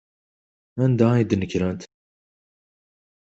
Anda ay d-nekrent?